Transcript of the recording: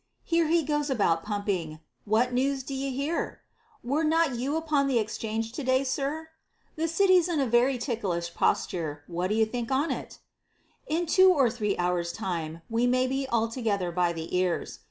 Here he goes about pumping, What news d'ye hear? Were not you upon the exchange to day, sir? The city's in a very ticklish posture, what d'ye think on't? In two or three hours' time we may be altogether by the ears.